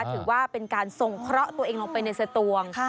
ถือว่าเป็นการส่งเคราะห์ตัวเองลงไปในสตวง